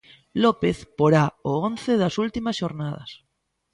López porá o once das últimas xornadas.